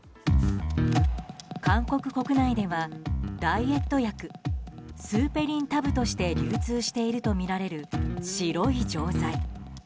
韓国国内ではダイエット薬スーペリンタブとして流通しているとみられる白い錠剤。